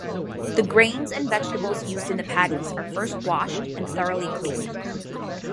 The grains and vegetables used in the patties are first washed and thoroughly cleaned.